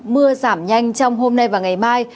mưa giảm nhanh trong hôm nay và ngày mai